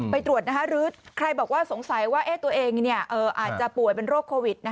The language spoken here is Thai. ไปตรวจหรือใครบอกว่าสงสัยว่าตัวเองอาจจะป่วยเป็นโรคโควิด